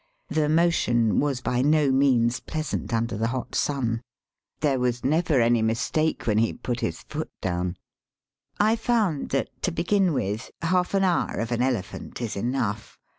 The motion was by no means pleasant under the hot sun. There was never any mistake when he put his foot down. I found that, to begin with, half an hour of an elephant is enough.